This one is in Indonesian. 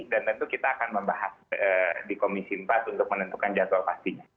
dan tentu kita akan membahas di komisi empat untuk menentukan jadwal pastinya